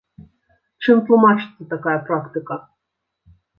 Чым тлумачыцца такая практыка?